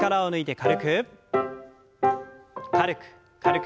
軽く軽く。